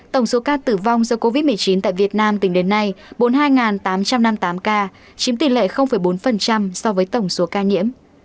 tổng số ca tử vong do covid một mươi chín tại việt nam tính đến nay bốn mươi hai tám trăm năm mươi tám ca chiếm tỷ lệ bốn so với tổng số ca nhiễm